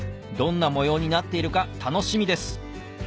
どんな模様になっているか楽しみです